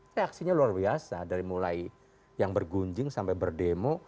reaksinya luar biasa dari mulai yang bergunjing sampai berdemo